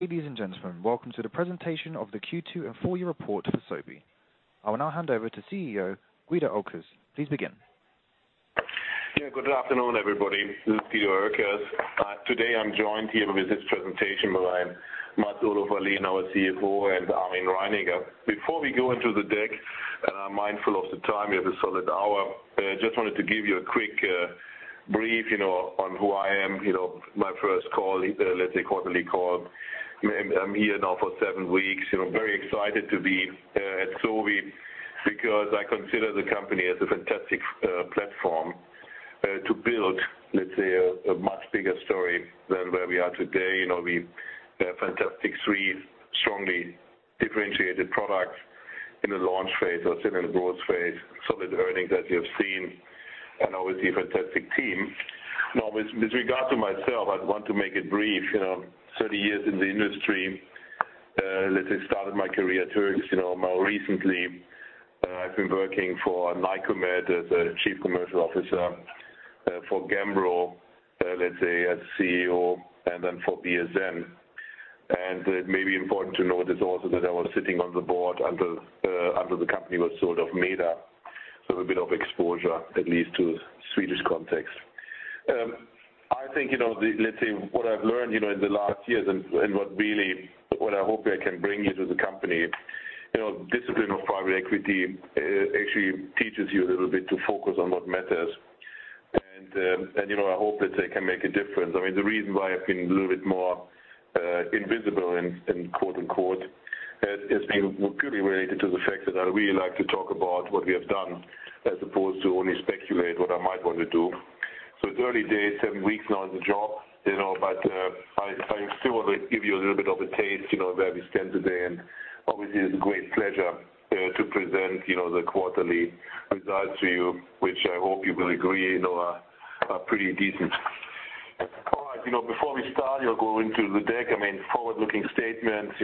Ladies and gentlemen, welcome to the presentation of the Q2 and full year report for Sobi. I will now hand over to CEO Guido Oelkers. Please begin. Yeah. Good afternoon, everybody. This is Guido Oelkers. Today I'm joined here with this presentation by Mats-Olof Wallin, our CFO, and Armin Reininger. Before we go into the deck, mindful of the time, we have a solid hour. I just wanted to give you a quick brief on who I am. My first call, quarterly call. I'm here now for seven weeks. Very excited to be at Sobi because I consider the company as a fantastic platform to build a much bigger story than where we are today. We have fantastic three strongly differentiated products in the launch phase or still in growth phase. Solid earnings as you have seen, and obviously a fantastic team. With regard to myself, I want to make it brief. 30 years in the industry. Started my career at Hoechst. More recently, I've been working for Nycomed as a Chief Commercial Officer, for Gambro as CEO, and then for BSN. It may be important to note this also that I was sitting on the board until the company was sort of made up. A bit of exposure, at least to Swedish context. I think what I've learned in the last years and what I hope I can bring here to the company. Discipline of private equity actually teaches you a little bit to focus on what matters. I hope that they can make a difference. The reason why I've been a little bit more "invisible" has been purely related to the fact that I really like to talk about what we have done, as opposed to only speculate what I might want to do. It's early days, seven weeks now on the job. I still want to give you a little bit of a taste, where we stand today, and obviously, it's a great pleasure to present the quarterly results to you which I hope you will agree are pretty decent. All right. Before we start or go into the deck, forward-looking statements.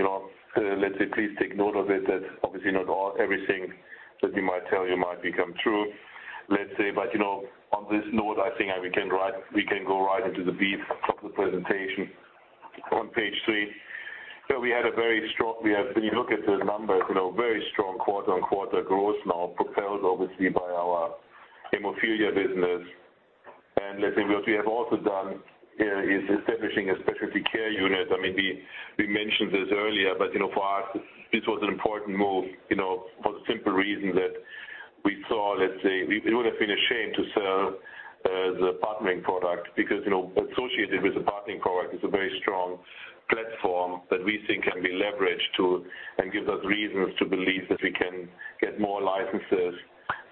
Please take note of it, that obviously not everything that we might tell you might become true. On this note, I think we can go right into the beef of the presentation. On page three. When you look at the numbers, very strong quarter-on-quarter growth now propelled obviously by our hemophilia business. What we have also done is establishing a specialty care unit. We mentioned this earlier, but for us, this was an important move for the simple reason that we saw, let's say, it would have been a shame to sell the partnering product because, associated with the partnering product is a very strong platform that we think can be leveraged and gives us reasons to believe that we can get more licenses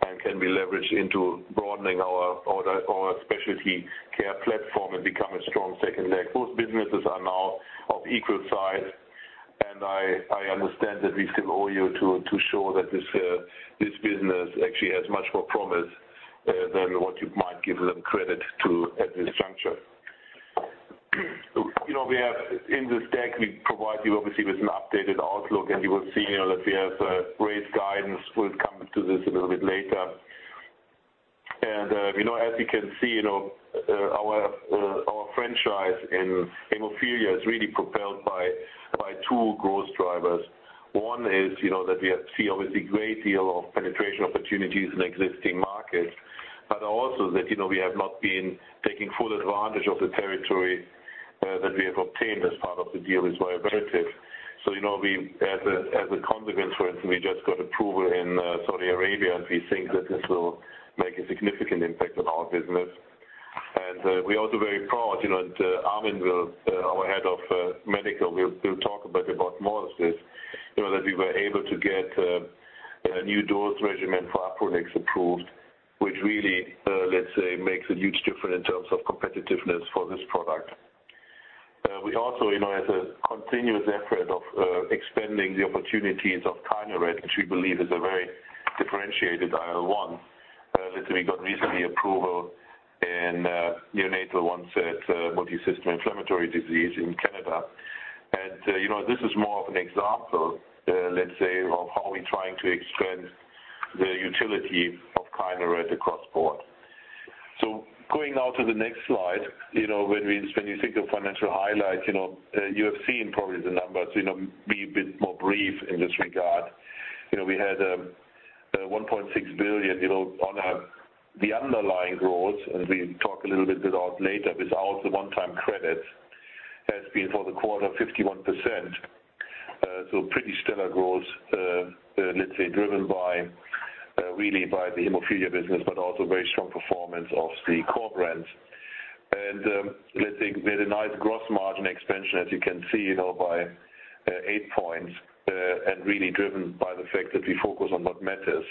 and can be leveraged into broadening our specialty care platform and become a strong second leg. Both businesses are now of equal size, and I understand that we still owe you to show that this business actually has much more promise than what you might give them credit to at this juncture. In this deck, we provide you obviously with an updated outlook, and you will see that we have raised guidance. We'll come to this a little bit later. As you can see, our franchise in hemophilia is really propelled by two growth drivers. One is, that we see obviously a great deal of penetration opportunities in existing markets, but also that we have not been taking full advantage of the territory that we have obtained as part of the deal with Bioverativ. As a consequence, for instance, we just got approval in Saudi Arabia, and we think that this will make a significant impact on our business. We are also very proud, and Armin, our head of medical, will talk a bit about more of this. That we were able to get a new dose regimen for Alprolix approved, which really makes a huge difference in terms of competitiveness for this product. We also, as a continuous effort of expanding the opportunities of Kineret, which we believe is a very differentiated IL-1. We got recently approval in Neonatal-Onset Multisystem Inflammatory Disease in Canada. This is more of an example of how we're trying to expand the utility of Kineret across board. Going now to the next slide. When you think of financial highlights, you have seen probably the numbers. Be a bit more brief in this regard. We had 1.6 billion on the underlying growth, and we talk a little bit about later. Without the one-time credit has been for the quarter 51%. Pretty stellar growth, let's say, driven really by the hemophilia business, but also very strong performance of the core brands. We had a nice gross margin expansion, as you can see, by eight points, and really driven by the fact that we focus on what matters.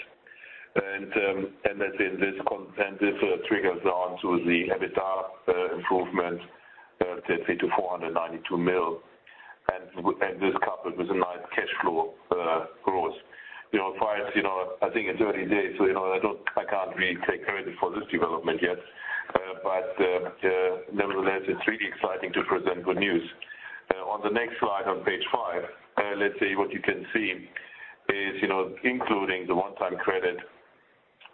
This triggers on to the EBITDA improvement to 492 million. This coupled with a nice cash flow growth. I think it's early days, so I can't really take credit for this development yet. Nevertheless, it's really exciting to present good news. On the next slide, let's say what you can see is, including the one-time credit,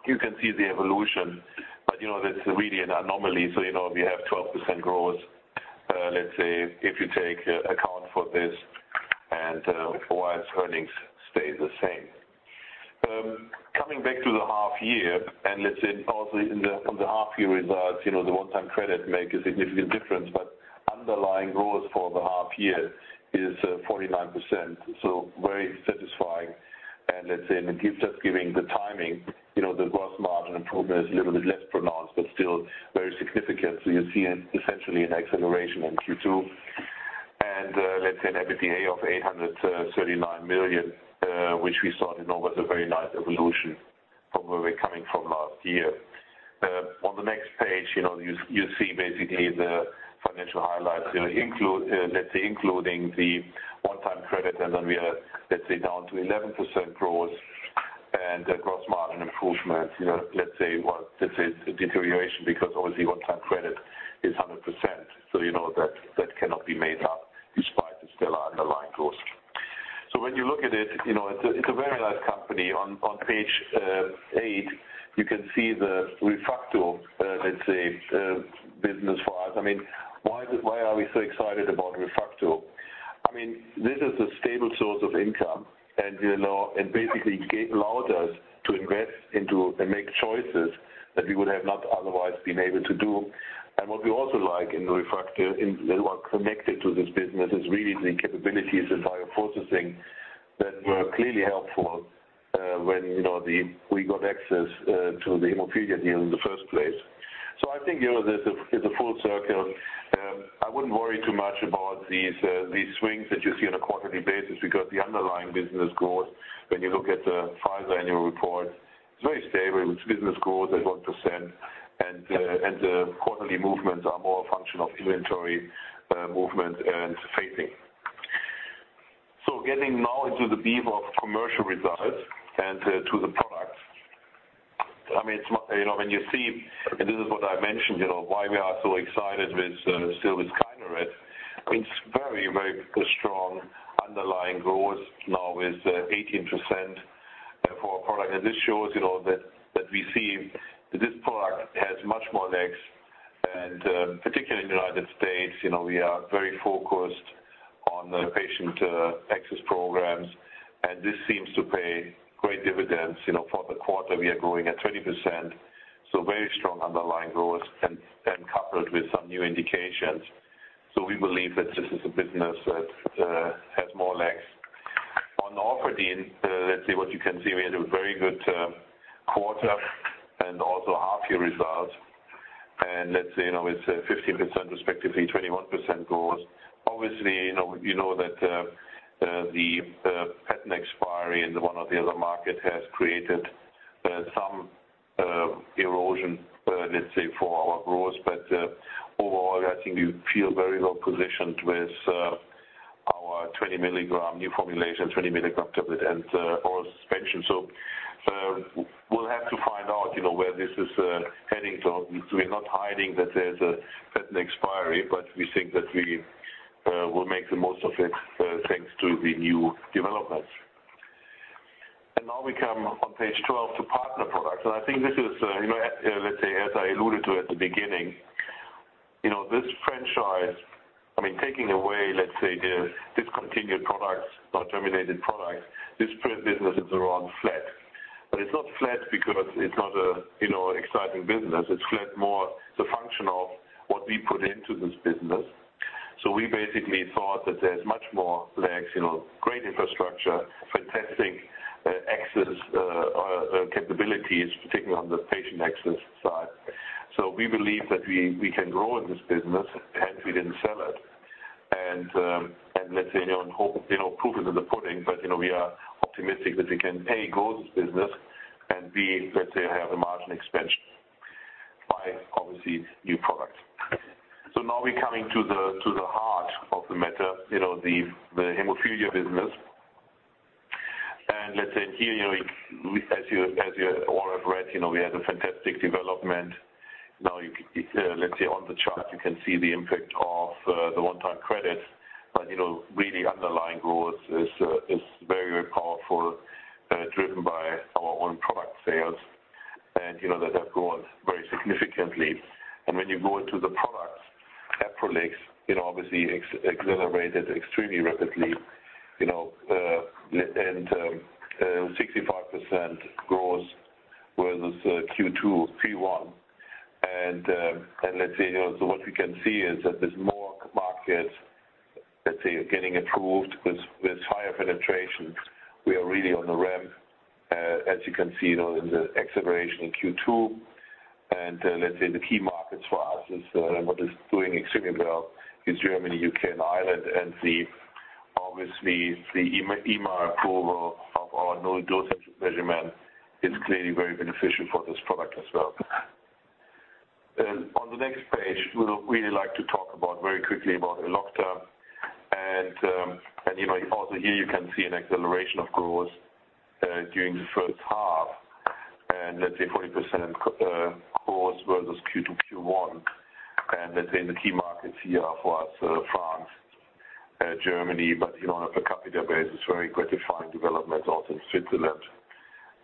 you can see the evolution, but that's really an anomaly. We have 12% growth, let's say, if you take account for this and for us, earnings stay the same. Coming back to the half year and let's say also on the half year results, the one-time credit make a significant difference, but underlying growth for the half year is 49%, so very satisfying. Let's say in the gifts just giving the timing, the growth margin improvement is a little bit less pronounced, but still very significant. You see essentially an acceleration in Q2 and let's say an EBITDA of 839 million, which we saw in August, a very nice evolution from where we're coming from last year. On the next page, you see basically the financial highlights, let's say including the one-time credit and then we are, let's say down to 11% growth and gross margin improvement. Let's say, well, this is a deterioration because obviously one-time credit is 100%, so that cannot be made up despite the still underlying growth. When you look at it's a very large company. On page eight, you can see the ReFacto, let's say, business for us. Why are we so excited about ReFacto? This is a stable source of income and basically allowed us to invest into and make choices that we would have not otherwise been able to do. What we also like in ReFacto and what connected to this business is really the capabilities and bioprocessing that were clearly helpful when we got access to the hemophilia deal in the first place. I think this is a full circle. I wouldn't worry too much about these swings that you see on a quarterly basis because the underlying business growth, when you look at the Pfizer annual report, it's very stable. Its business grows at 1% and the quarterly movements are more a function of inventory movement and phasing. Getting now into the beef of commercial results and to the products. When you see, and this is what I mentioned, why we are so excited with still with Kineret, it's very, very strong underlying growth now with 18% for our product. This shows that we see this product has much more legs and particularly in the U.S., we are very focused on the patient access programs and this seems to pay great dividends. For the quarter, we are growing at 20%, very strong underlying growth and coupled with some new indications. We believe that this is a business that has more legs. On Orfadin, let's say what you can see, we had a very good quarter and also half year results and let's say now it's 15% respectively 21% growth. Obviously, you know that the patent expiry in one or the other market has created some erosion, let's say for our growth. Overall, I think we feel very well positioned with our 20 milligram new formulation, 20 milligram tablet and/oral suspension. We'll have to find out where this is heading. We're not hiding that there's a patent expiry, we think that we will make the most of it, thanks to the new developments. Now we come on page 12 to partner products and I think this is, let's say as I alluded to at the beginning, this franchise, taking away, let's say the discontinued products or terminated products, this business is around flat. It's not flat because it's not an exciting business. It's flat more the function of what we put into this business. We basically thought that there's much more legs, great infrastructure, fantastic access capabilities, particularly on the patient access side. We believe that we can grow in this business had we didn't sell it. Let's say, and hope, proof is in the pudding but we are optimistic that we can A, grow this business and B, that they have a margin expansion by obviously new products. Now we're coming to the heart of the matter, the hemophilia business. Let's say here, as you all have read, we had a fantastic development. Now, on the chart you can see the impact of the one-time credit, but really underlying growth is very, very powerful, driven by our own product sales and that have grown very significantly. When you go into the products, Alprolix obviously accelerated extremely rapidly and 65% growth with this Q2, Q1 what we can see is that there's more market getting approved with higher penetration. We are really on the ramp, as you can see now in the acceleration in Q2 the key markets for us is and what is doing extremely well is Germany, U.K. and Ireland and obviously the EMA approval of our new dosage regimen is clearly very beneficial for this product as well. On the next page, we'll really like to talk about very quickly about Elocta and also here you can see an acceleration of growth during the first half. 40% growth versus Q2 to Q1. In the key markets here for us, France, Germany. On a [copy database], it's very gratifying developments also in Switzerland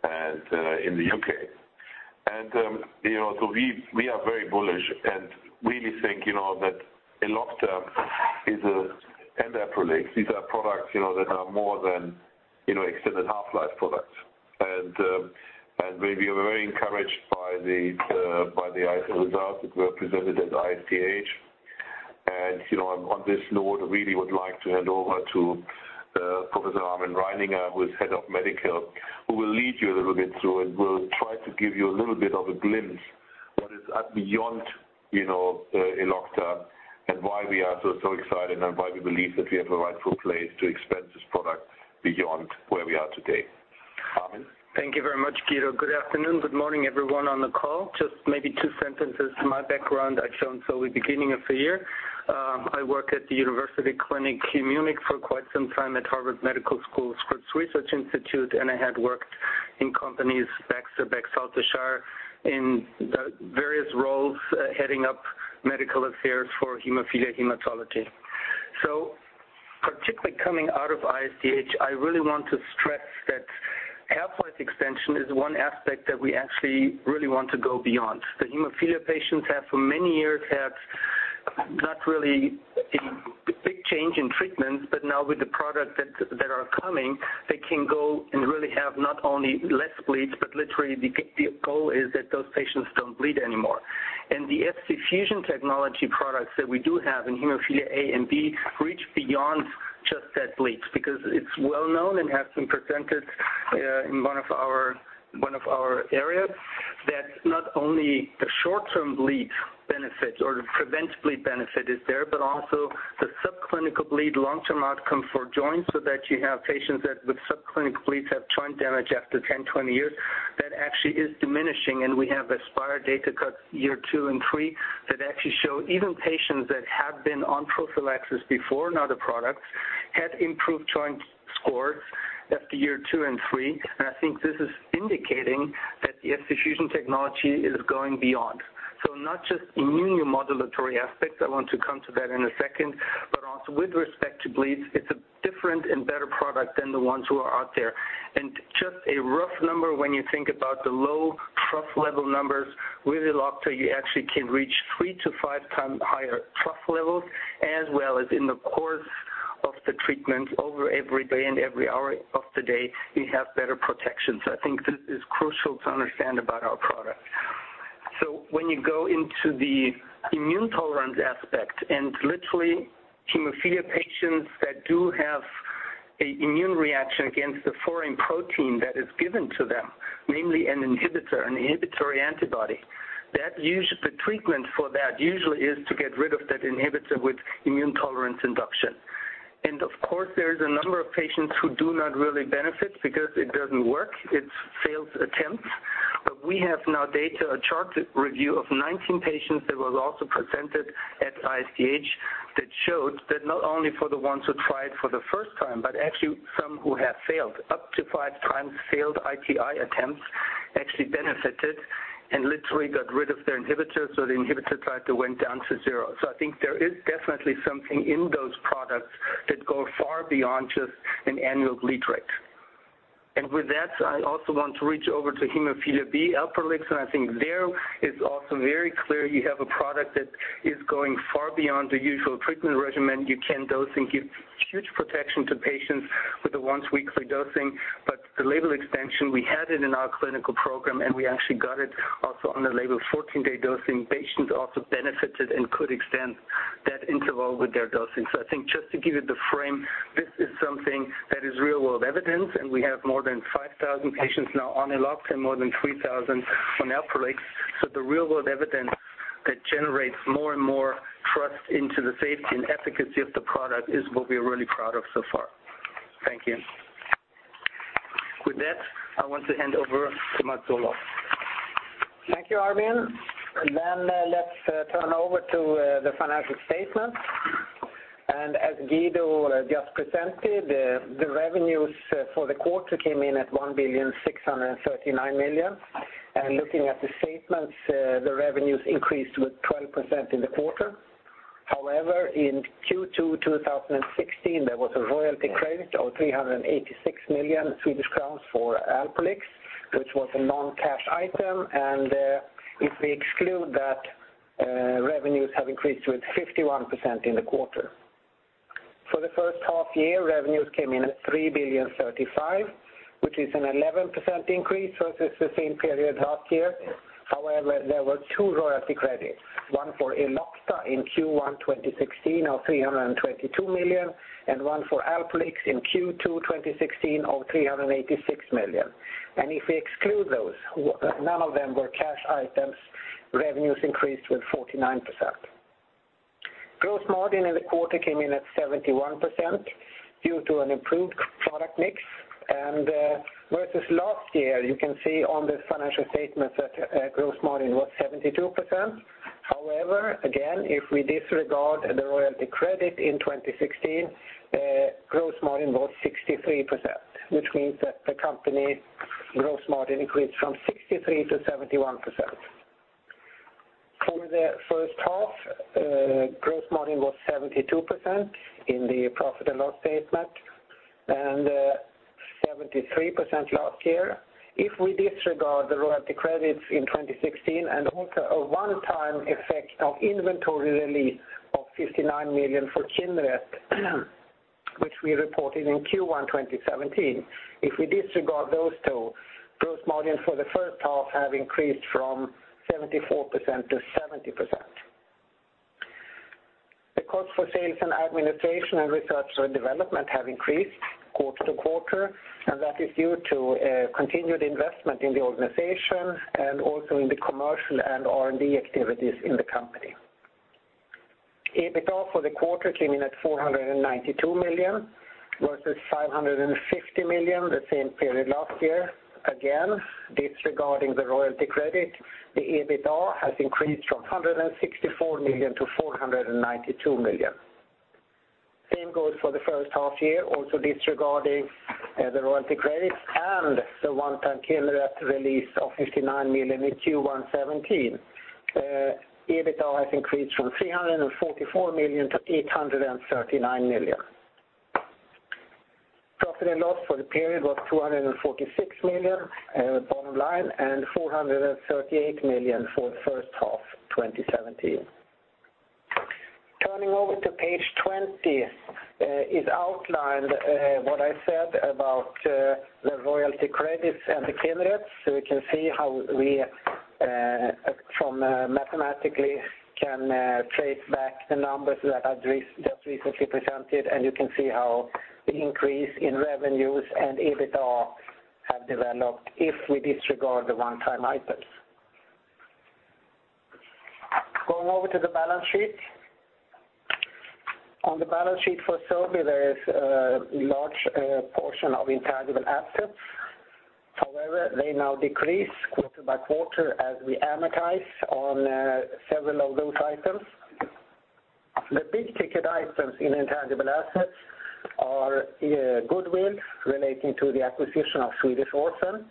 and in the U.K. We are very bullish and really think that Elocta and Alprolix. These are products that are more than extended half-life products. We are very encouraged by the ISO results that were presented at ISTH. On this note, I really would like to hand over to Professor Armin Reininger, who is Head of Medical, who will lead you a little bit through and will try to give you a little bit of a glimpse what is beyond Elocta and why we are so excited and why we believe that we have a rightful place to expand this product beyond where we are today. Armin. Thank you very much, Guido. Good afternoon. Good morning, everyone on the call. Just maybe two sentences to my background. I joined Sobi beginning of the year. I work at the university clinic in Munich for quite some time at Harvard Medical School's Joslin Diabetes Center, and I had worked in companies Baxter, Baxalta/Shire in various roles heading up medical affairs for hemophilia hematology. Particularly coming out of ISTH, I really want to stress that half-life extension is one aspect that we actually really want to go beyond. The hemophilia patients for many years have not really a big change in treatments, but now with the product that are coming, they can go and really have not only less bleeds, but literally the goal is that those patients don't bleed anymore. The Fc fusion technology products that we do have in hemophilia A and B reach beyond just that bleeds because it's well known and has been presented in one of our areas that not only the short-term bleed benefits or preventive bleed benefit is there, but also the subclinical bleed long-term outcome for joints so that you have patients that with subclinical bleeds have joint damage after 10, 20 years that actually is diminishing and we have ASPIRE data cuts year two and three that actually show even patients that have been on prophylaxis before and other products had improved joint scores after year two and three. I think this is indicating that the Fc fusion technology is going beyond. Not just immune modulatory aspects, I want to come to that in a second, but also with respect to bleeds, it's a different and better product than the ones who are out there. Just a rough number when you think about the low trough level numbers, with Elocta you actually can reach three to five times higher trough levels as well as in the course of the treatment over every day and every hour of the day, you have better protection. I think this is crucial to understand about our product. When you go into the immune tolerance aspect and literally hemophilia patients that do have an immune reaction against the foreign protein that is given to them, namely an inhibitor, an inhibitory antibody. The treatment for that usually is to get rid of that inhibitor with immune tolerance induction. Of course, there's a number of patients who do not really benefit because it doesn't work, it's failed attempts. We have now data, a chart review of 19 patients that was also presented at ISTH that showed that not only for the ones who tried for the first time, but actually some who have failed up to five times failed ITI attempts actually benefited and literally got rid of their inhibitors or the inhibitor title went down to zero. I think there is definitely something in those products that go far beyond just an annual bleed rate. With that, I also want to reach over to hemophilia B, Alprolix and I think there is also very clear you have a product that is going far beyond the usual treatment regimen. You can dose and give huge protection to patients with a once weekly dosing. The label extension we had it in our clinical program and we actually got it also on the label 14-day dosing patients also benefited and could extend that interval with their dosing. I think just to give you the frame, this is something that is real world evidence and we have more than 5,000 patients now on Elocta and more than 3,000 on Alprolix. The real world evidence that generates more and more trust into the safety and efficacy of the product is what we're really proud of so far. Thank you. With that, I want to hand over to Mats Hultberg. Thank you, Armin. Let's turn over to the financial statements. As Guido just presented, the revenues for the quarter came in at 1,639 million. Looking at the statements, the revenues increased with 12% in the quarter. However, in Q2 2016, there was a royalty credit of 386 million Swedish crowns for Alprolix, which was a non-cash item. If we exclude that, revenues have increased with 51% in the quarter. For the first half year, revenues came in at 3,035 million, which is an 11% increase versus the same period last year. However, there were two royalty credits, one for Elocta in Q1 2016 of 322 million and one for Alprolix in Q2 2016 of 386 million. If we exclude those, none of them were cash items, revenues increased with 49%. Gross margin in the quarter came in at 71% due to an improved product mix. Versus last year, you can see on the financial statements that gross margin was 72%. However, again, if we disregard the royalty credit in 2016 The gross margin was 63%, which means that the company gross margin increased from 63% to 71%. For the first half, gross margin was 72% in the profit and loss statement, and 73% last year. If we disregard the royalty credits in 2016 and also a one-time effect of inventory release of 59 million for Kineret, which we reported in Q1 2017. If we disregard those two, gross margin for the first half have increased from 74% to 70%. The cost for sales and administration and research and development have increased quarter-to-quarter, and that is due to continued investment in the organization and also in the commercial and R&D activities in the company. EBITDA for the quarter came in at 492 million, versus 550 million the same period last year. Again, disregarding the royalty credit, the EBITDA has increased from 164 million to 492 million. Same goes for the first half year, also disregarding the royalty credits and the one-time Kineret release of 59 million in Q1 2017. EBITDA has increased from 344 million to 839 million. Profit and loss for the period was 246 million bottom line, and 438 million for the first half 2017. Turning over to page 20, is outlined what I said about the royalty credits and the Kinerets. We can see how we mathematically can trace back the numbers that I've just recently presented, and you can see how the increase in revenues and EBITDA have developed if we disregard the one-time items. Going over to the balance sheet. On the balance sheet for Sobi, there is a large portion of intangible assets. However, they now decrease quarter-by-quarter as we amortize on several of those items. The big-ticket items in intangible assets are goodwill relating to the acquisition of Swedish Orphan,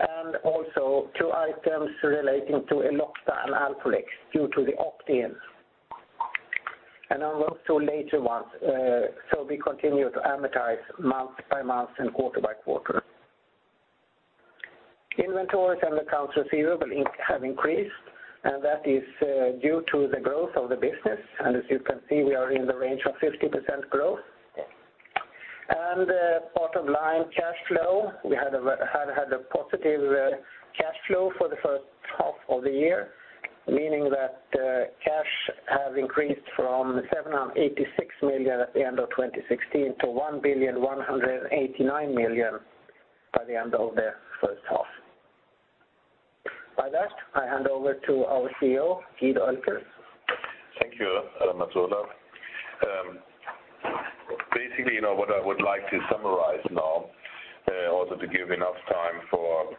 and also two items relating to Elocta and Alprolix due to the opt-ins. On those two later ones, Sobi continue to amortize month by month and quarter by quarter. Inventories and accounts receivable have increased, and that is due to the growth of the business. As you can see, we are in the range of 50% growth. Bottom line cash flow, we have had a positive cash flow for the first half of the year, meaning that cash has increased from 786 million at the end of 2016 to 1,189 million by the end of the first half. By that, I hand over to our CEO, Guido Oelkers. Thank you, [Adametzler]. Basically, what I would like to summarize now, also to give enough time for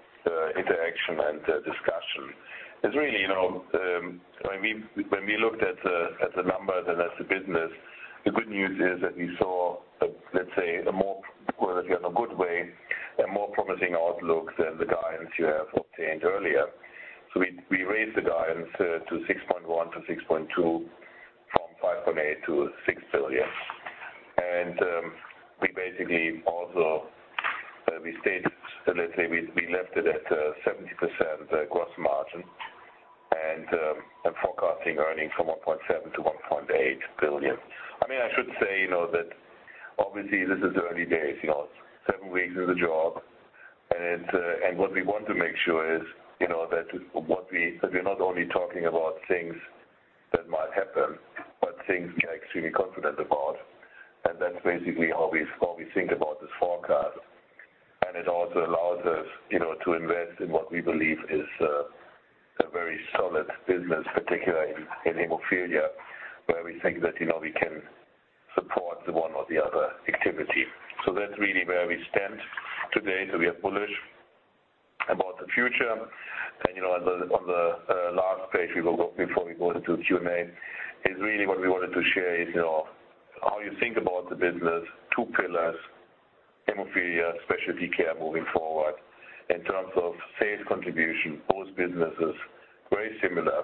interaction and discussion is really when we looked at the numbers and at the business, the good news is that we saw, let's say, in a good way, a more promising outlook than the guidance you have obtained earlier. We raised the guidance to 6.1 billion-6.2 billion from 5.8 billion-6 billion. We basically also we left it at 70% gross margin and are forecasting earnings from 1.7 billion-1.8 billion. I should say that obviously this is early days, seven weeks into the job. What we want to make sure is that we're not only talking about things that might happen, but things we are extremely confident about. That's basically how we think about this forecast. It also allows us to invest in what we believe is a very solid business, particularly in hemophilia, where we think that we can support the one or the other activity. That's really where we stand today. We are bullish about the future. On the last page before we go into Q&A is really what we wanted to share is how you think about the business, two pillars, hemophilia, specialty care moving forward. In terms of sales contribution, both businesses, very similar,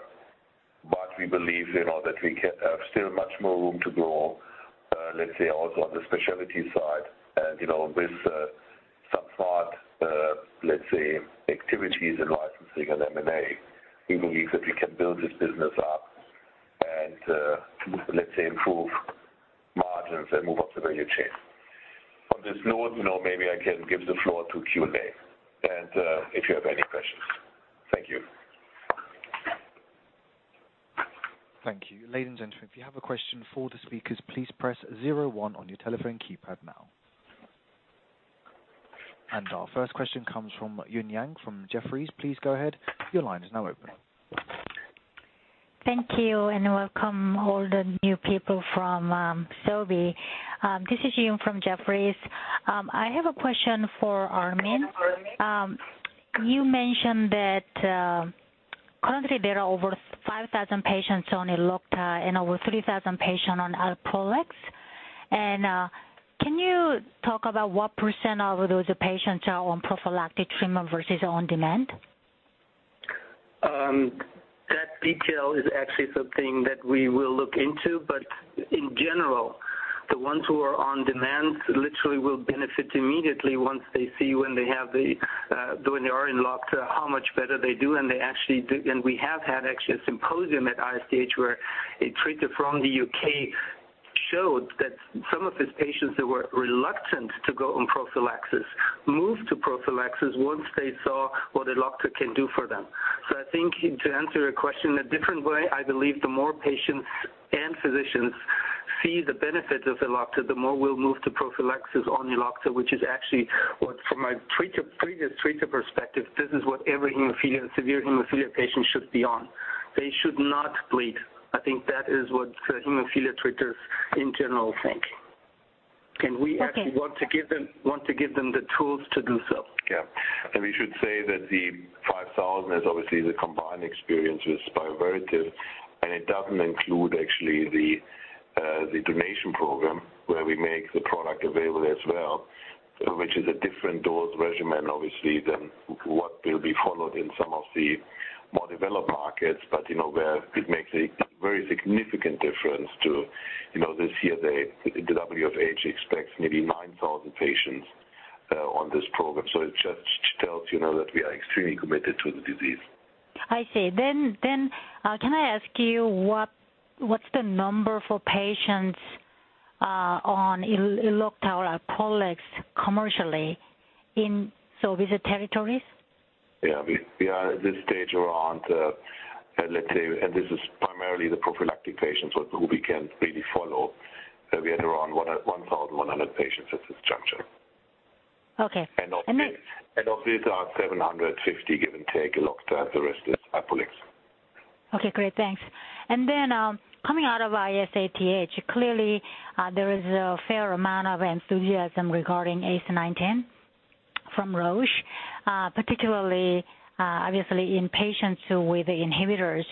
but we believe that we have still much more room to grow, let's say also on the specialty side. With some smart, let's say, activities in licensing and M&A, we believe that we can build this business up and let's say improve margins and move up the value chain. On this note, maybe I can give the floor to Q&A and if you have any questions. Thank you. Thank you. Ladies and gentlemen, if you have a question for the speakers, please press 01 on your telephone keypad now. Our first question comes from Yun Yang from Jefferies. Please go ahead. Your line is now open. Thank you. Welcome all the new people from Sobi. This is Yun from Jefferies. I have a question for Armin. You mentioned that currently, there are over 5,000 patients on Elocta and over 3,000 patients on Alprolix. Can you talk about what % of those patients are on prophylactic treatment versus on-demand? That detail is actually something that we will look into. In general, the ones who are on-demand literally will benefit immediately once they see when they are on Elocta how much better they do. We have had actually a symposium at ISTH where a treater from the U.K. showed that some of his patients that were reluctant to go on prophylaxis moved to prophylaxis once they saw what Elocta can do for them. I think to answer your question a different way, I believe the more patients and physicians see the benefits of Elocta, the more we'll move to prophylaxis on Elocta, which is actually what, from my previous treatment perspective, this is what every severe hemophilia patient should be on. They should not bleed. I think that is what hemophilia treaters in general think. Okay. We actually want to give them the tools to do so. Yeah. We should say that the 5,000 is obviously the combined experience with Bioverativ, and it doesn't include actually the donation program where we make the product available as well, which is a different dose regimen, obviously, than what will be followed in some of the more developed markets. Where it makes a very significant difference to this year, the WHO expects maybe 9,000 patients on this program. It just tells you now that we are extremely committed to the disease. I see. Can I ask you what's the number for patients on Elocta or Alprolix commercially in Sobi's territories? Yeah. We are at this stage around, and this is primarily the prophylactic patients who we can really follow. We had around 1,100 patients at this juncture. Okay. Of these are 750, give and take, Elocta. The rest is Alprolix. Okay, great. Thanks. Coming out of ISTH, clearly there is a fair amount of enthusiasm regarding ACE910 from Roche, particularly obviously in patients with inhibitors.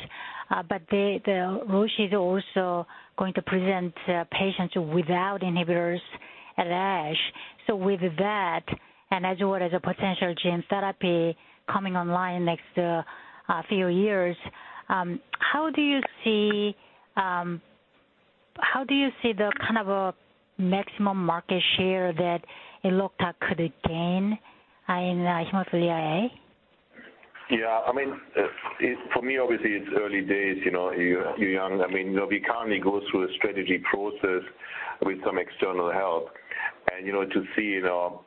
Roche is also going to present patients without inhibitors at ASH. With that, and as well as a potential gene therapy coming online next few years, how do you see the maximum market share that Elocta could gain in hemophilia A? Yeah. For me, obviously, it's early days. You're young. We currently go through a strategy process with some external help and to see how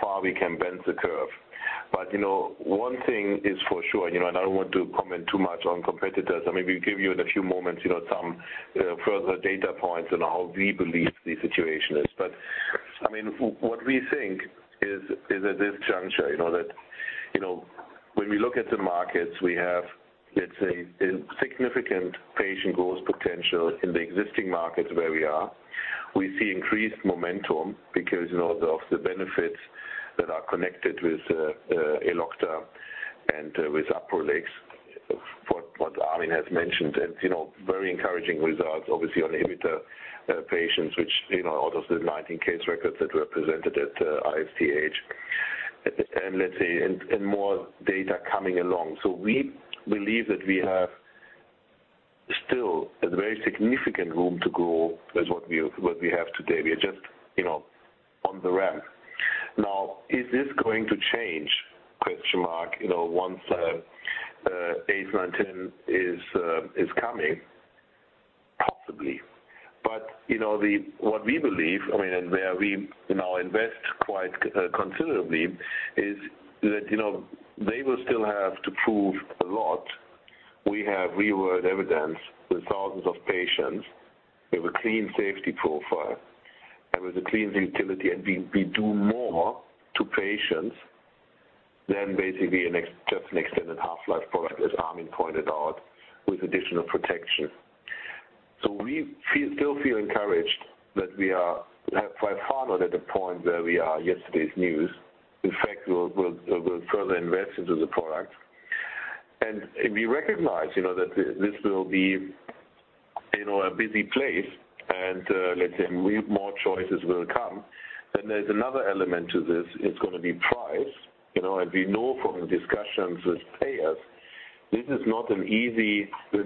far we can bend the curve. One thing is for sure, I don't want to comment too much on competitors. Maybe we give you in a few moments some further data points on how we believe the situation is. What we think is at this juncture, that when we look at the markets we have, let's say significant patient growth potential in the existing markets where we are. We see increased momentum because of the benefits that are connected with Elocta and with Alprolix for what Armin has mentioned, and very encouraging results, obviously on inhibitor patients, which out of the 19 case records that were presented at ISTH. Let's say more data coming along. We believe that we have still a very significant room to grow as what we have today. We are just on the ramp. Now, is this going to change, question mark, once ACE910 is coming? Possibly. What we believe, and where we now invest quite considerably, is that they will still have to prove a lot. We have real-world evidence with thousands of patients, with a clean safety profile and with a clean utility. We do more to patients than basically just an extended half-life product, as Armin pointed out, with additional protection. We still feel encouraged that we are by far not at the point where we are yesterday's news. In fact, we'll further invest into the product. We recognize that this will be a busy place and let's say more choices will come. There's another element to this. It's going to be price. We know from discussions with payers, this will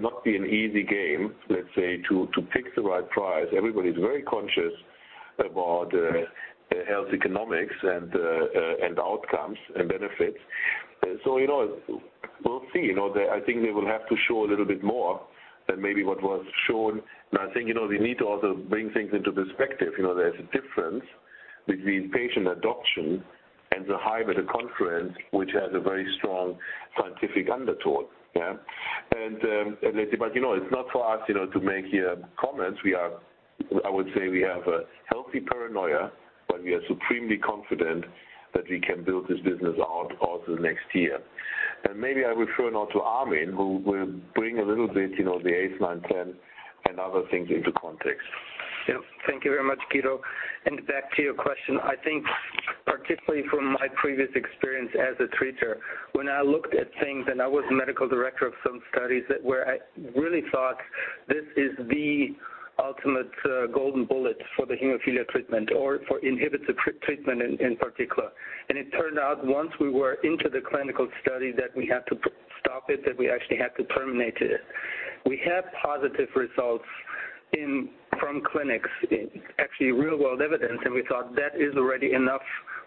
not be an easy game, let's say, to pick the right price. Everybody's very conscious about health economics and outcomes and benefits. We'll see. I think they will have to show a little bit more than maybe what was shown. I think we need to also bring things into perspective. There's a difference between patient adoption and the hype at a conference which has a very strong scientific undertone. It's not for us to make here comments. I would say we have a healthy paranoia, but we are supremely confident that we can build this business out over the next year. Maybe I refer now to Armin, who will bring a little bit the ACE910 and other things into context. Thank you very much, Guido. Back to your question, particularly from my previous experience as a treater, when I looked at things and I was medical director of some studies where I really thought this is the ultimate golden bullet for the hemophilia treatment or for inhibitor treatment in particular. It turned out once we were into the clinical study that we had to stop it, that we actually had to terminate it. We had positive results from clinics, actually real-world evidence, we thought that is already enough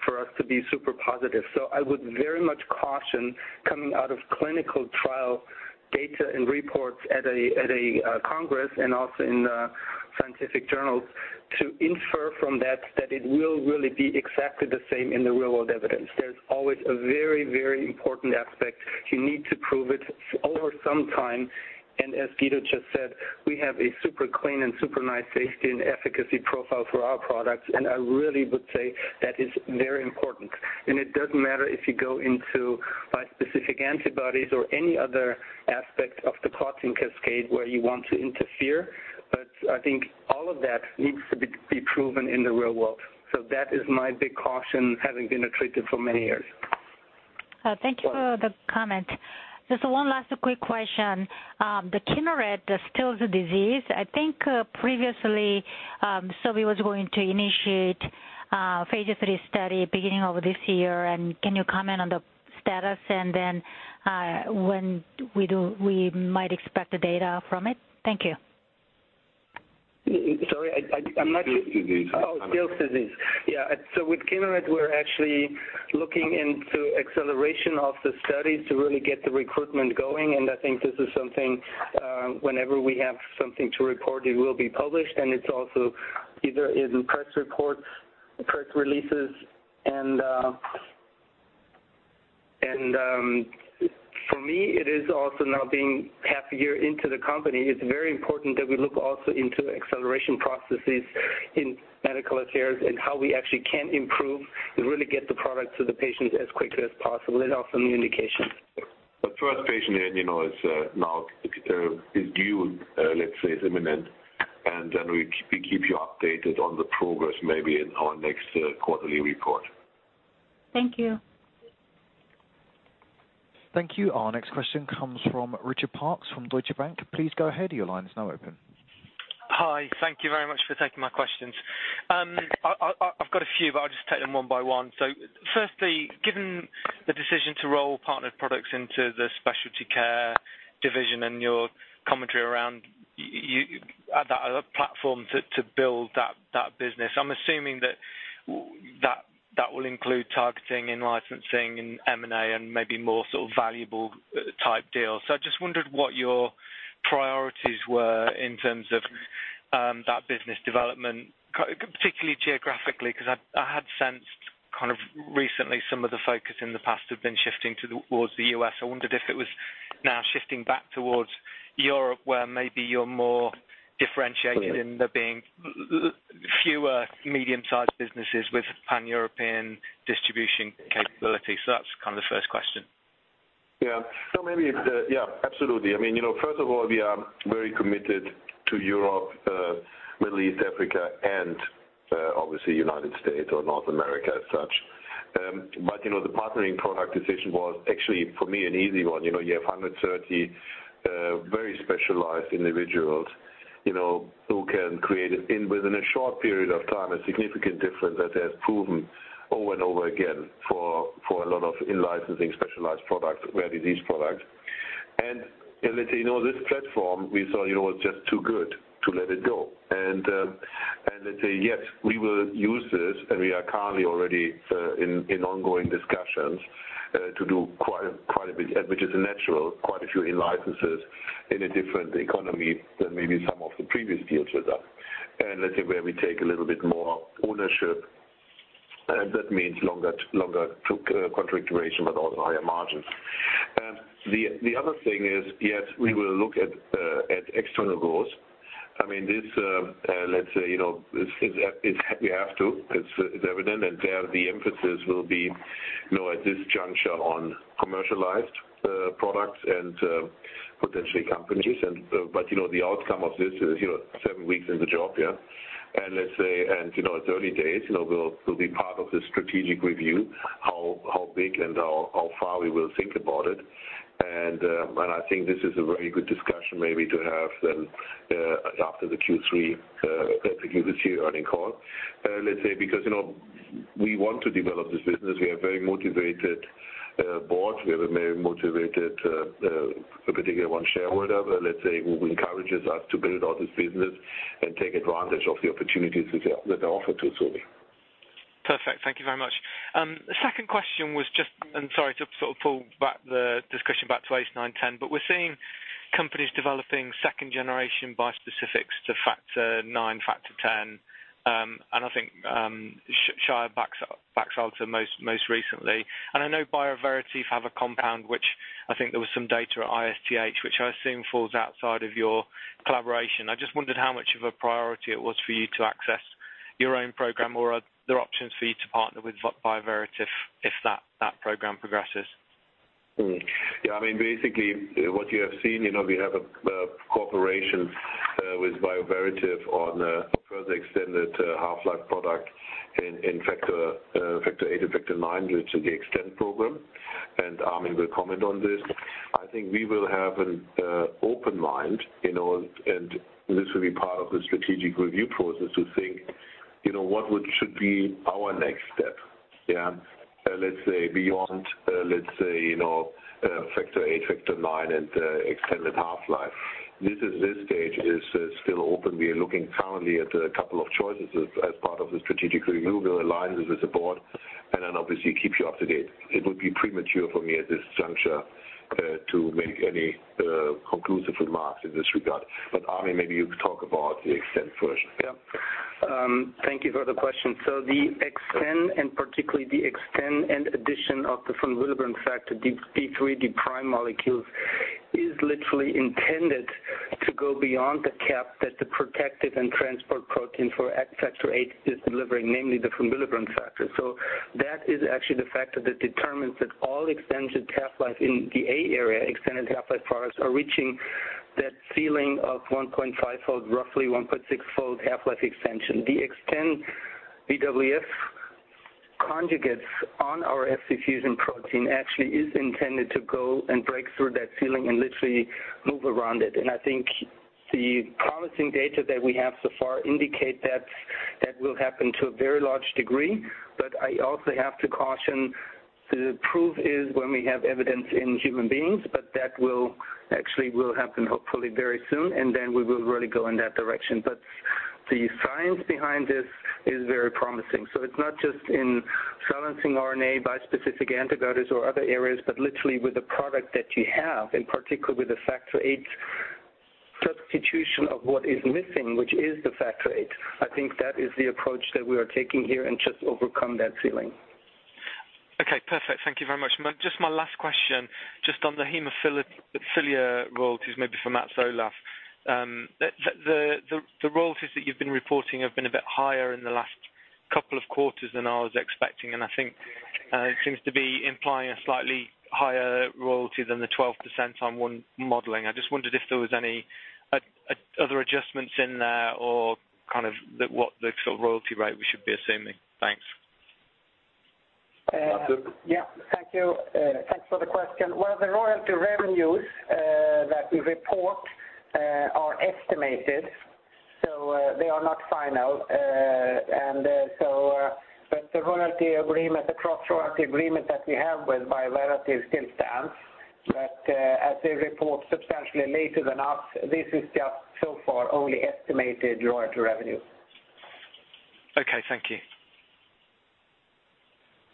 for us to be super positive. I would very much caution coming out of clinical trial data and reports at a congress and also in scientific journals to infer from that it will really be exactly the same in the real-world evidence. There's always a very, very important aspect. You need to prove it over some time. As Guido just said, we have a super clean and super nice safety and efficacy profile for our products. I really would say that is very important. It doesn't matter if you go into bispecific antibodies or any other aspect of the clotting cascade where you want to interfere. I think all of that needs to be proven in the real world. That is my big caution, having been a treater for many years. Thank you for the comment. Just one last quick question. The Kineret, the Still's disease, I think previously, Sobi was going to initiate phase III study beginning of this year. Can you comment on the status and then when we might expect the data from it? Thank you. Sorry, I'm not- Still's disease. Oh, Still's disease. Yeah. With Kineret, we're actually looking into acceleration of the study to really get the recruitment going, and I think this is something, whenever we have something to report, it will be published, and it's also either in press reports, press releases. For me, it is also now being half a year into the company, it's very important that we look also into acceleration processes in medical affairs and how we actually can improve and really get the product to the patients as quickly as possible in all the indications. The first patient is now due, let's say, is imminent. We keep you updated on the progress, maybe in our next quarterly report. Thank you. Thank you. Our next question comes from Richard Parkes from Deutsche Bank. Please go ahead. Your line is now open. Hi. Thank you very much for taking my questions. I've got a few, but I'll just take them one by one. Firstly, given the decision to roll partnered products into the specialty care division and your commentary around that platform to build that business, I'm assuming that will include targeting in-licensing and M&A and maybe more sort of valuable type deals. I just wondered what your priorities were in terms of that business development, particularly geographically, because I had sensed kind of recently some of the focus in the past had been shifting towards the U.S. I wondered if it was now shifting back towards Europe, where maybe you're more differentiated end up being fewer medium-sized businesses with pan-European distribution capability. That's kind of the first question. Absolutely. First of all, we are very committed to Europe, Middle East, Africa, and obviously United States or North America as such. The partnering product decision was actually, for me, an easy one. You have 130 very specialized individuals who can create within a short period of time a significant difference that has proven over and over again for a lot of in-licensing specialized products, rare disease products. Let's say, this platform we saw was just too good to let it go. Let's say, yes, we will use this, and we are currently already in ongoing discussions to do quite a bit, which is natural, quite a few in-licenses in a different economy than maybe some of the previous deals with us. Let's say where we take a little bit more ownership, and that means longer contract duration, but also higher margins. The other thing is, yes, we will look at external goals. Let's say, we have to, it's evident, and there the emphasis will be, at this juncture on commercialized products and potentially companies. The outcome of this is seven weeks in the job, yeah. Let's say, it's early days. We'll be part of the strategic review, how big and how far we will think about it. I think this is a very good discussion maybe to have after the Q3, let's say, this year earnings call. Because we want to develop this business. We have a very motivated board. We have a very motivated, particularly one shareholder, let's say, who encourages us to build out this business and take advantage of the opportunities that are offered to Sobi. Perfect. Thank you very much. The second question was just, sorry to sort of pull back the discussion back to ACE910, we're seeing companies developing second-generation bispecifics to factor IX, factor X, I think Shire Baxalta most recently. I know Bioverativ have a compound which I think there was some data at ISTH, which I assume falls outside of your collaboration. I just wondered how much of a priority it was for you to access your own program or are there options for you to partner with Bioverativ program progresses. Yeah. Basically, what you have seen, we have a cooperation with Bioverativ on further extended half-life product in factor VIII and factor IX, which is the EXTEND program. Armin will comment on this. I think we will have an open mind, and this will be part of the strategic review process to think what should be our next step. Yeah. Let's say beyond factor VIII, factor IX, and extended half-life. This at this stage is still open. We are looking currently at a couple of choices as part of the strategic review. We're aligned with the board, obviously keep you up to date. It would be premature for me at this juncture to make any conclusive remarks in this regard. Armin, maybe you could talk about the EXTEND first. Yeah. Thank you for the question. The EXTEND, particularly the EXTEND and addition of the von Willebrand factor, the DIII-D' molecules, is literally intended to go beyond the cap that the protective and transport protein for factor VIII is delivering, namely the von Willebrand factor. That is actually the factor that determines that all extended half-life in the A area, extended half-life products, are reaching that ceiling of 1.5-fold, roughly 1.6-fold half-life extension. The EXTEND VWF conjugates on our Fc fusion protein actually is intended to go and break through that ceiling and literally move around it. I think the promising data that we have so far indicate that that will happen to a very large degree. I also have to caution, the proof is when we have evidence in human beings, that actually will happen hopefully very soon, we will really go in that direction. The science behind this is very promising. It's not just in silencing RNA, bispecific antibodies, or other areas, but literally with the product that you have, in particular with the factor VIII substitution of what is missing, which is the factor VIII. I think that is the approach that we are taking here and just overcome that ceiling. Okay, perfect. Thank you very much. Just my last question, just on the hemophilia royalties, maybe for Mats-Olof Wallin. The royalties that you've been reporting have been a bit higher in the last couple of quarters than I was expecting, and I think it seems to be implying a slightly higher royalty than the 12% on one modeling. I just wondered if there was any other adjustments in there or what the royalty rate we should be assuming. Thanks. Mats-Olof Wallin. Yeah. Thank you. Thanks for the question. The royalty revenues that we report are estimated. They are not final. The cross-royalty agreement that we have with Bioverativ still stands. As they report substantially later than us, this is just so far only estimated royalty revenue. Okay, thank you.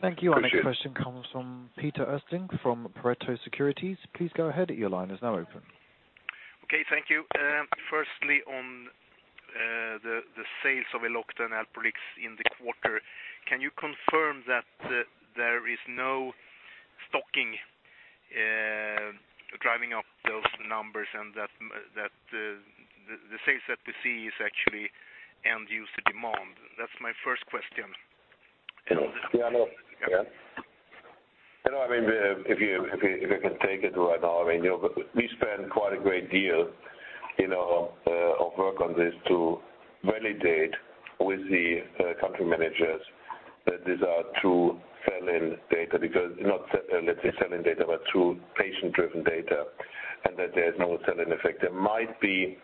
Thank you. Appreciate it. Our next question comes from Peter Östling from Pareto Securities. Please go ahead. Your line is now open. Okay, thank you. Firstly, on the sales of Elocta and Alprolix in the quarter, can you confirm that there is no stocking driving up those numbers and that the sales that we see is actually end-user demand? That's my first question. Yeah, no. Yeah. If I can take it right now. We spend quite a great deal of work on this to validate with the country managers that these are true sell-in data. Not, let's say, sell-in data, but true patient-driven data, and that there is no sell-in effect. There might be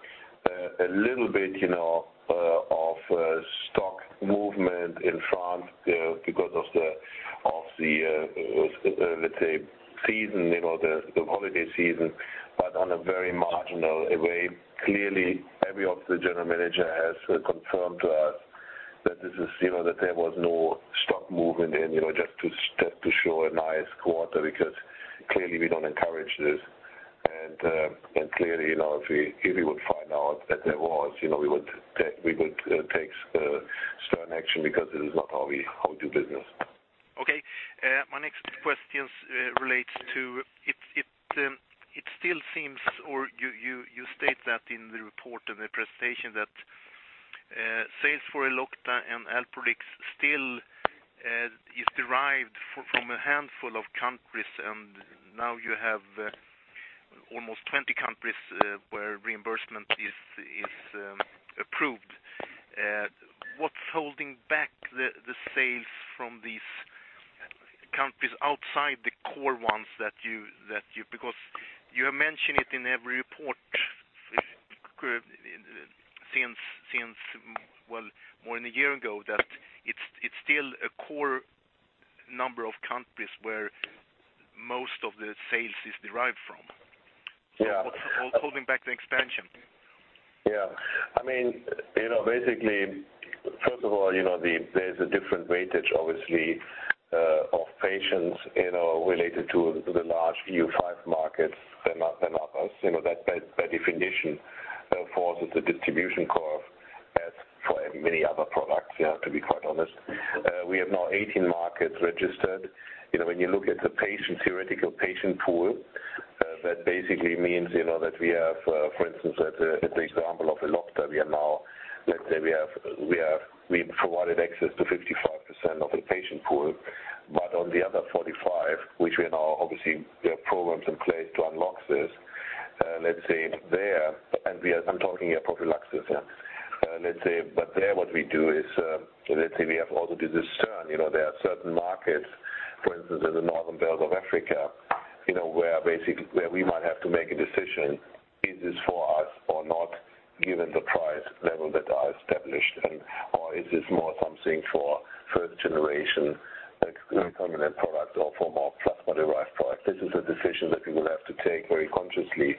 a little bit of stock movement in France there because of the, let's say, holiday season, but on a very marginal way. Clearly, every officer general manager has confirmed to us that there was no stock movement then, just to show a nice quarter, because clearly we don't encourage this. Clearly, if we would find out that there was, we would take stern action because it is not how we do business. Okay. My next questions relates to, it still seems, or you state that in the report and the presentation, that sales for Elocta and Alprolix still is derived from a handful of countries, and now you have almost 20 countries where reimbursement is approved. What's holding back the sales from these countries outside the core ones? You have mentioned it in every report since, well, more than a year ago, that it's still a core number of countries where most of the sales is derived from. Yeah. What's holding back the expansion? First of all, there's a different weightage, obviously, of patients related to the large EU5 markets than others. That by definition forces the distribution curve as for many other products, to be quite honest. We have now 18 markets registered. When you look at the theoretical patient pool, basically means that we have, for instance, at the example of Elocta, we've provided access to 55% of the patient pool, but on the other 45%, which we are now obviously, there are programs in place to unlock this. I'm talking Alprolix here. There what we do is we have also to discern, there are certain markets, for instance, in the northern parts of Africa, where we might have to make a decision, is this for us or not, given the price level that I established? Is this more something for first-generation equivalent products or for more plasma-derived products? This is a decision that we will have to take very consciously.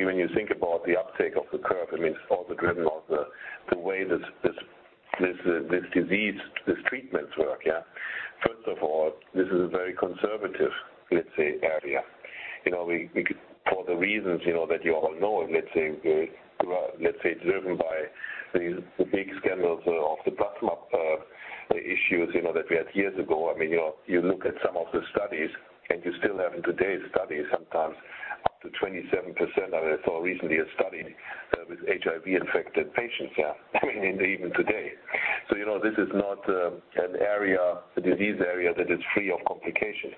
When you think about the uptake of the curve, it's also driven off the way this disease, these treatments work. First of all, this is a very conservative area. For the reasons that you all know, driven by these big scandals of the plasma issues that we had years ago. You look at some of the studies, you still have in today's studies sometimes up to 27%. I saw recently a study with HIV-infected patients, even today. This is not a disease area that is free of complications.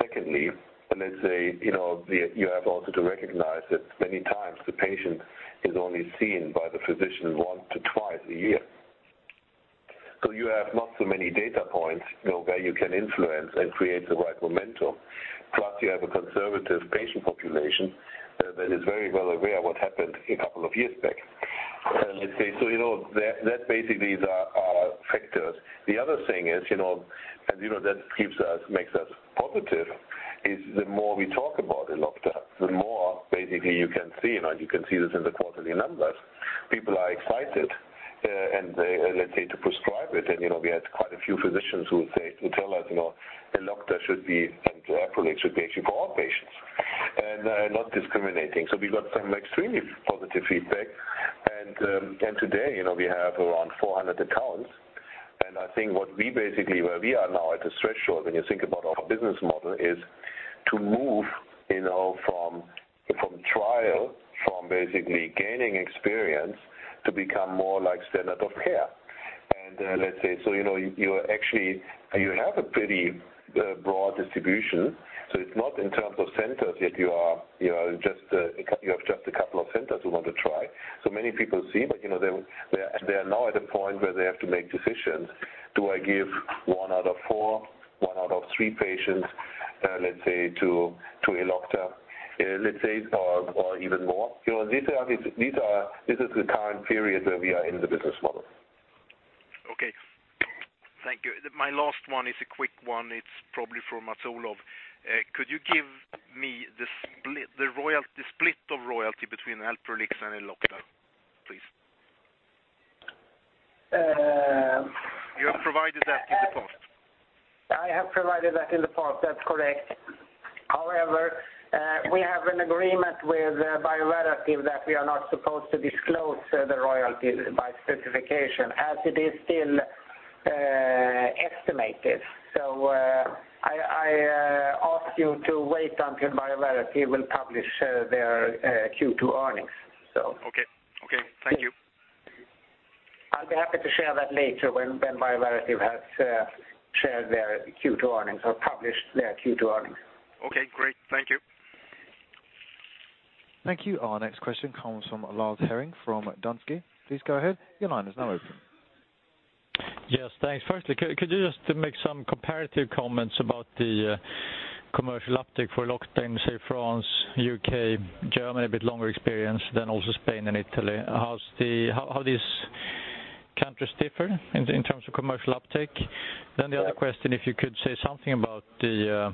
Secondly, you have also to recognize that many times the patient is only seen by the physician once to twice a year. You have not so many data points where you can influence and create the right momentum. Plus, you have a conservative patient population that is very well aware what happened a couple of years back. Those are our factors. The other thing that makes us positive is the more we talk about Elocta, the more you can see this in the quarterly numbers. People are excited to prescribe it. We had quite a few physicians who would tell us Elocta should be for all patients and not discriminating. We got some extremely positive feedback. Today, we have around 400 accounts. I think where we are now at the threshold when you think about our business model is to move from trial, from gaining experience to become more like standard of care. You have a pretty broad distribution, so it's not in terms of centers, you have just a couple of centers who want to try. Many people see that they are now at a point where they have to make decisions. Do I give one out of four, one out of three patients Elocta or even more? This is the current period where we are in the business model. Okay. Thank you. My last one is a quick one. It's probably for Mats-Olof. Could you give me the split of royalty between Alprolix and Elocta, please? Uh- You have provided that in the post. I have provided that in the post. That's correct. However, we have an agreement with Bioverativ that we are not supposed to disclose the royalties by certification as it is still estimated. I ask you to wait until Bioverativ will publish their Q2 earnings. Okay. Thank you. I'll be happy to share that later when Bioverativ has shared their Q2 earnings or published their Q2 earnings. Okay, great. Thank you. Thank you. Our next question comes from Lars Hevreng from Danske. Please go ahead. Your line is now open. Yes, thanks. Firstly, could you just make some comparative comments about the commercial uptake for Elocta in, say, France, U.K., Germany, a bit longer experience than also Spain and Italy. How these countries differ in terms of commercial uptake. The other question, if you could say something about the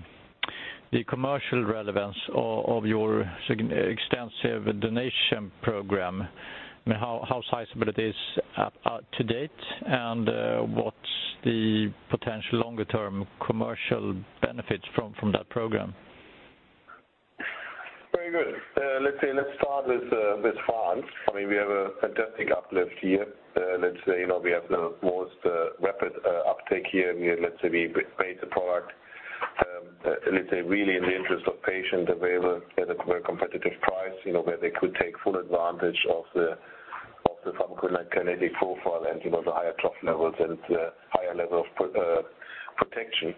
commercial relevance of your extensive donation program. How sizable it is to date, and what's the potential longer-term commercial benefits from that program? Very good. Let's start with France. We have a fantastic uplift here. Let's say we have the most rapid uptake here. We made the product really in the interest of patient available at a very competitive price where they could take full advantage of the pharmacokinetic profile and the higher trough levels and higher level of protection.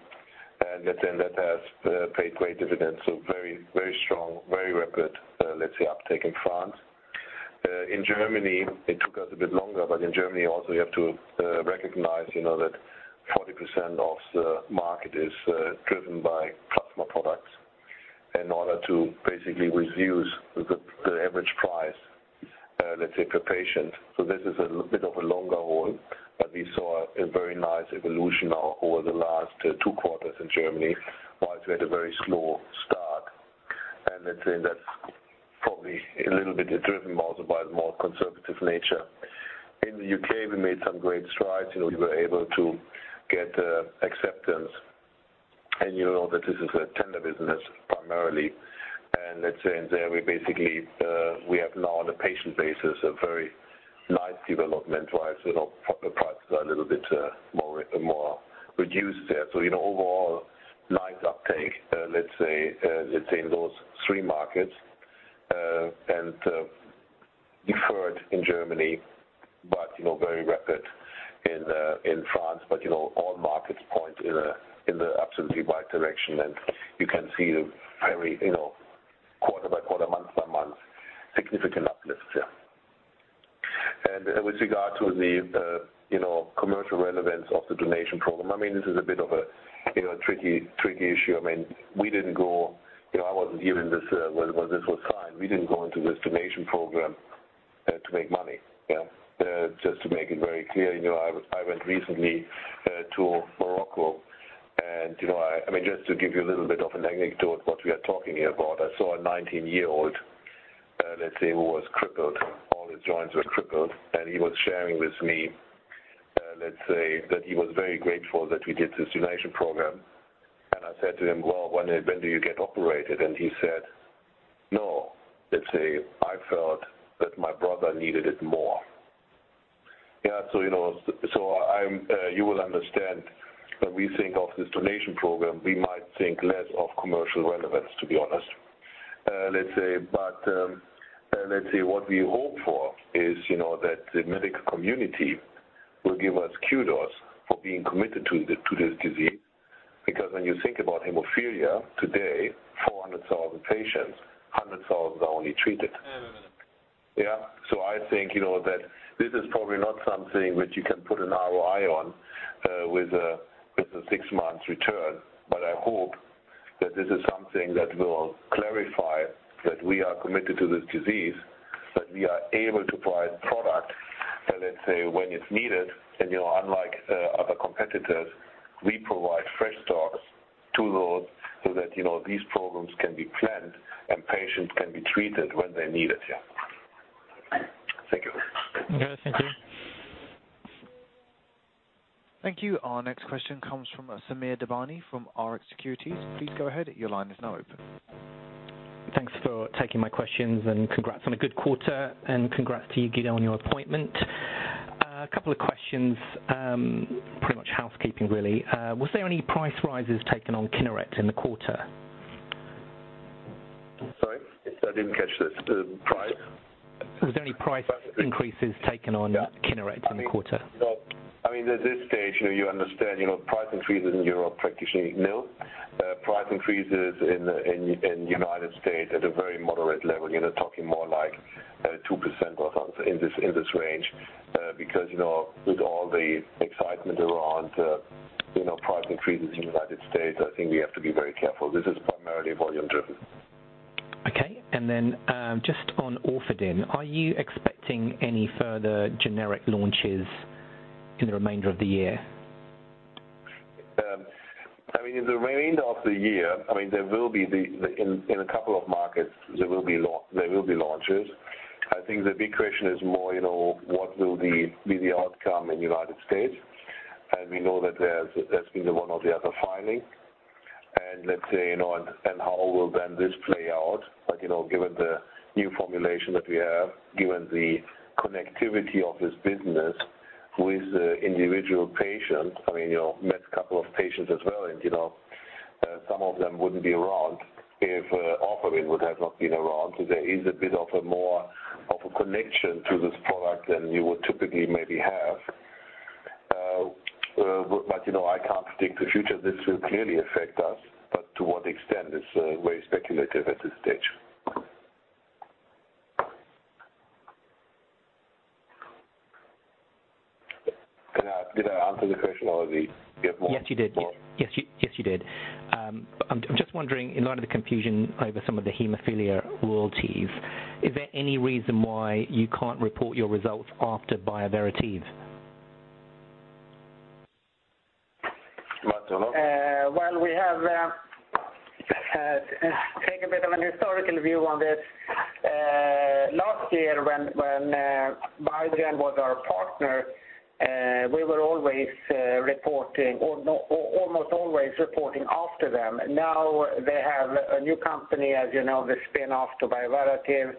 That then that has paid great dividends. Very strong, very rapid uptake in France. In Germany, it took us a bit longer, but in Germany also, you have to recognize that 40% of the market is driven by plasma products in order to basically reduce the average price per patient. This is a bit of a longer haul, but we saw a very nice evolution over the last two quarters in Germany whilst we had a very slow start. Let's say that's probably a little bit driven also by the more conservative nature. In the U.K., we made some great strides. We were able to get acceptance. You know that this is a tender business primarily. Let's say in there, we basically have now on a patient basis, a very nice development-wise. Our products are a little bit more reduced there. Overall, nice uptake, let's say, in those three markets, and deferred in Germany, but very rapid in France. All markets point in the absolutely right direction, and you can see very quarter by quarter, month by month, significant uplifts. Yeah. With regard to the commercial relevance of the donation program, this is a bit of a tricky issue. I wasn't here when this was signed. We didn't go into this donation program to make money. Yeah. Just to make it very clear, I went recently to Morocco and just to give you a little bit of an anecdote what we are talking here about, I saw a 19-year-old, let's say, who was crippled. All his joints were crippled, and he was sharing with me, let's say, that he was very grateful that we did this donation program. I said to him, "Well, when do you get operated?" He said, "No." Let's say, "I felt that my brother needed it more." Yeah. You will understand when we think of this donation program, we might think less of commercial relevance, to be honest. Let's say, what we hope for is that the medical community will give us kudos for being committed to this disease. When you think about hemophilia today, 400,000 patients, 100,000 are only treated. Wait a minute. I think that this is probably not something which you can put an ROI on with a six months return, but I hope that this is something that will clarify that we are committed to this disease, that we are able to provide product, let's say, when it's needed. Unlike other competitors, we provide fresh stocks to those so that these programs can be planned and patients can be treated when they need it. Yeah. Thank you. Okay. Thank you. Thank you. Our next question comes from Samir Devani from Rx Securities. Please go ahead. Your line is now open. Thanks for taking my questions, and congrats on a good quarter, and congrats to you, Guido, on your appointment. A couple of questions, pretty much housekeeping really. Was there any price rises taken on Kineret in the quarter? Sorry, I didn't catch this. The price. Was there any price increases taken on Kineret in the quarter? I mean, at this stage, you understand price increases in Europe, practically nil. Price increases in United States at a very moderate level, talking more like 2% or so in this range. With all the excitement around price increases in the United States, I think we have to be very careful. This is primarily volume driven. Okay. Just on Orfadin, are you expecting any further generic launches in the remainder of the year? In the remainder of the year, in a couple of markets, there will be launches. I think the big question is more, what will be the outcome in United States? We know that there's been one or the other filing, how will then this play out. Given the new formulation that we have, given the connectivity of this business with the individual patient, I met a couple of patients as well, and some of them wouldn't be around if Orfadin would have not been around. There is a bit of a more of a connection to this product than you would typically maybe have. I can't predict the future. This will clearly affect us, but to what extent is very speculative at this stage. Did I answer the question or do you have more? Yes, you did. I'm just wondering, in light of the confusion over some of the hemophilia royalties, is there any reason why you can't report your results after Bioverativ? Mats, you know? Well, we have taken a bit of a historical view on this. Last year when Biogen was our partner, we were almost always reporting after them. Now they have a new company, as you know, the spin-off to Bioverativ.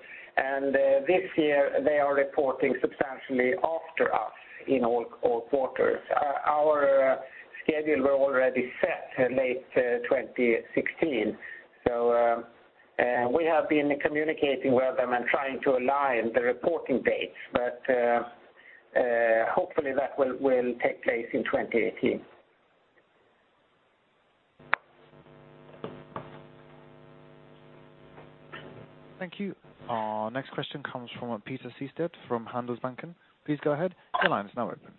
This year they are reporting substantially after us in all quarters. Our schedule were already set late 2016. We have been communicating with them and trying to align the reporting dates. Hopefully that will take place in 2018. Thank you. Our next question comes from Peter Sehested from Handelsbanken. Please go ahead. Your line is now open.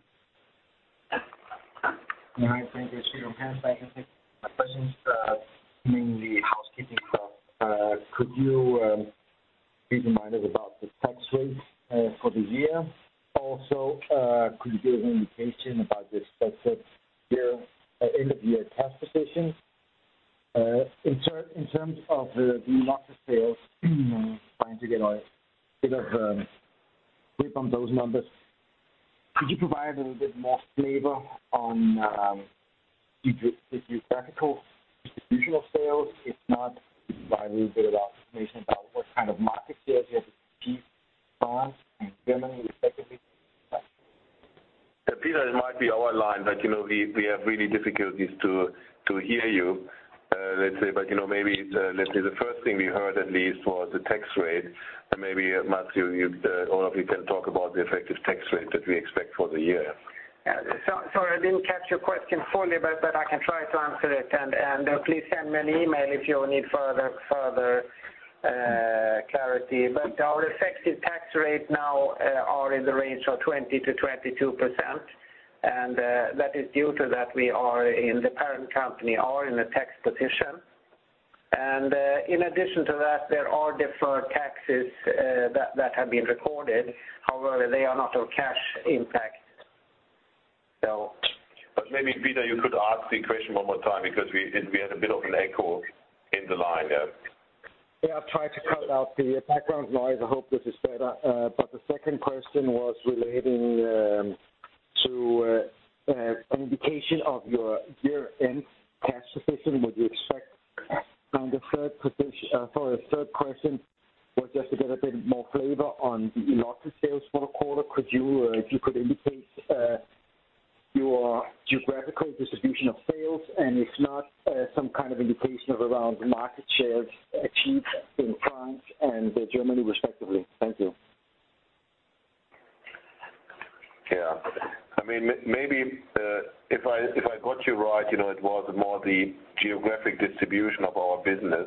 Hi. Thank you. Peter Sehested. My questions, mainly housekeeping stuff. Could you remind us about the tax rate for the year? Also, could you give an indication about the expected end-of-year cash position? In terms of the market sales, trying to get a grip on those numbers. Could you provide a little bit more flavor on your geographical distribution of sales? If not, provide a little bit of information about what kind of market shares you have achieved in France and Germany, respectively. Thank you. Peter, it might be our line, but we have really difficulties to hear you. Maybe, the first thing we heard at least was the tax rate. Maybe, Mats-Olof, or one of you can talk about the effective tax rate that we expect for the year. Sorry, I didn't catch your question fully, I can try to answer it, please send me an email if you need further clarity. Our effective tax rate now are in the range of 20%-22%, that is due to that we are in the parent company, are in a tax position. In addition to that, there are deferred taxes that have been recorded. However, they are not of cash impact. maybe, Peter, you could ask the question one more time because we had a bit of an echo in the line. I've tried to cut out the background noise. I hope this is better. The second question was relating to an indication of your year-end cash position. Would you expect the third question was just to get a bit more flavor on the Elocta sales for the quarter. If you could indicate your geographical distribution of sales, and if not, some kind of indication of around market shares achieved in France and Germany, respectively. Thank you. Maybe, if I got you right, it was more the geographic distribution of our business.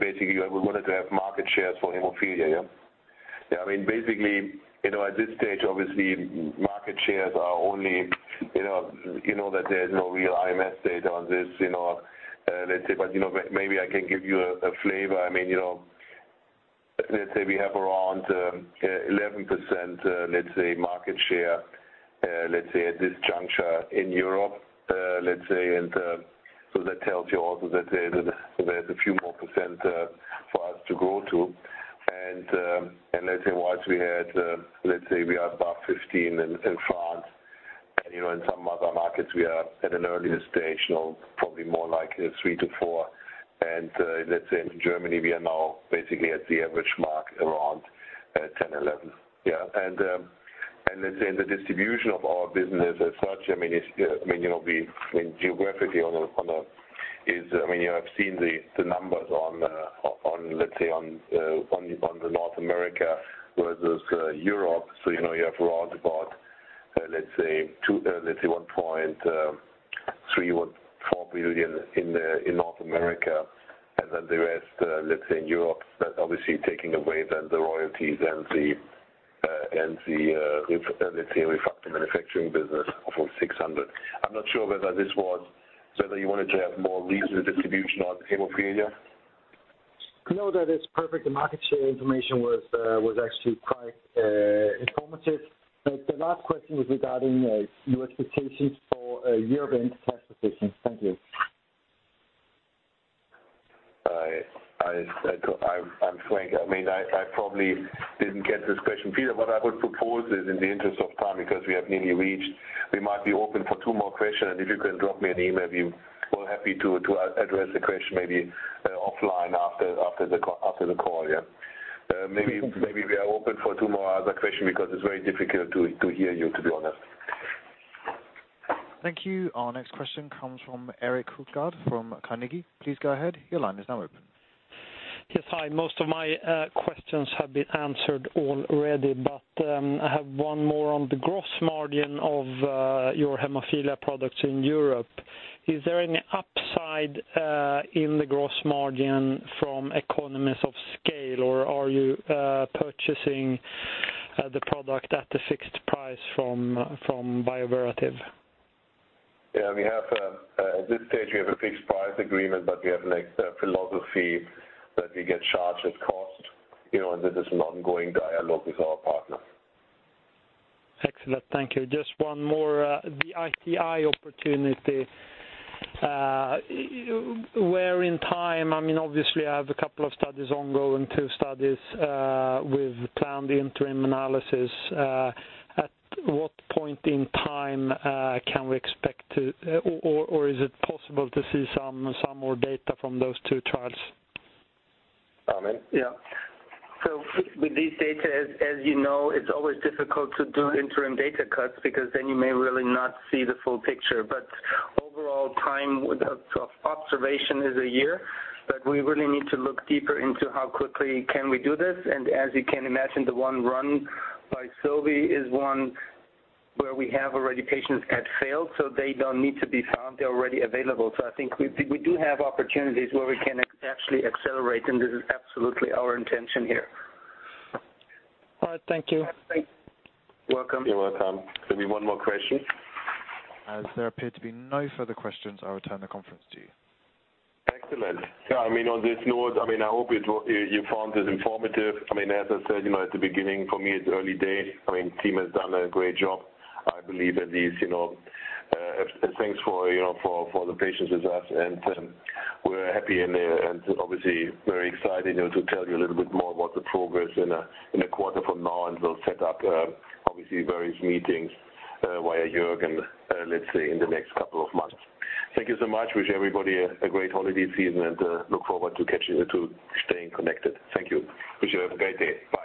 Basically, we wanted to have market shares for hemophilia. Basically, at this stage, obviously, market shares are only that there's no real IMS data on this. Maybe I can give you a flavor. Let's say we have around 11% market share at this juncture in Europe. That tells you also that there's a few more % for us to grow to. Let's say whilst we had, let's say we are above 15 in France, and in some other markets, we are at an earlier stage now, probably more like three to four. Let's say in Germany, we are now basically at the average mark around 10, 11. Let's say the distribution of our business as such, geographically. You have seen the numbers on the North America versus Europe. You have around about, let's say, 1.3 or 4 billion in North America. Then the rest, let's say in Europe, obviously taking away then the royalties and the ReFacto manufacturing business of 600. I'm not sure whether you wanted to have more regional distribution on hemophilia. No, that is perfect. The market share information was actually quite informative. The last question was regarding your expectations for a year-end tax position. Thank you. I'm frank. I probably didn't get this question, Peter. What I would propose is in the interest of time, because we have nearly reached, we might be open for two more questions. If you can drop me an email, we're happy to address the question maybe offline after the call, yeah. Maybe we are open for two more other questions because it's very difficult to hear you, to be honest. Thank you. Our next question comes from Erik Hultgård from Carnegie. Please go ahead. Your line is now open. Yes. Hi. Most of my questions have been answered already. I have one more on the gross margin of your hemophilia products in Europe. Is there any upside in the gross margin from economies of scale, or are you purchasing the product at the fixed price from Bioverativ? Yeah. At this stage, we have a fixed price agreement, but we have a philosophy that we get charged at cost, and this is an ongoing dialogue with our partner. Excellent. Thank you. Just one more. The ITI opportunity. Where in time, obviously, I have a couple of studies ongoing, two studies with planned interim analysis. At what point in time can we expect to Or is it possible to see some more data from those two trials? Armin? With these data, as you know, it's always difficult to do interim data cuts because then you may really not see the full picture. Overall time of observation is a year, but we really need to look deeper into how quickly can we do this. As you can imagine, the one run by Sobi is one where we have already patients at failed, so they don't need to be found. They're already available. I think we do have opportunities where we can actually accelerate, and this is absolutely our intention here. All right. Thank you. Welcome. You're welcome. Could be one more question. As there appear to be no further questions, I'll return the conference to you. Excellent. On this note, I hope you found this informative. As I said at the beginning, for me, it's early days. Team has done a great job, I believe, at least. Thanks for the patience with us, and we're happy and obviously very excited to tell you a little bit more about the progress in a quarter from now. We'll set up, obviously, various meetings via Jörgen, let's say, in the next couple of months. Thank you so much. Wish everybody a great holiday season, and look forward to staying connected. Thank you. Wish you have a great day.